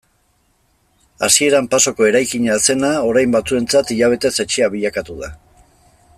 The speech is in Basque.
Hasieran pasoko eraikina zena orain batzuentzat hilabetez etxea bilakatu da.